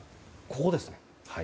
ここです。